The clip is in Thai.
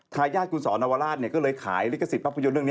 ทายาทคุณสอนวราชก็เลยขายลิขสิทธิ์ปรับปริโยชนนี้